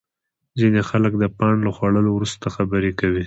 ځینې خلک د پان له خوړلو وروسته خبرې کوي.